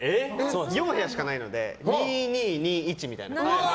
４部屋しかないので２、２、２、１で。